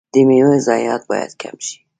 د میوو ضایعات باید کم شي.